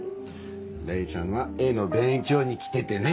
レイちゃんは絵の勉強に来ててね。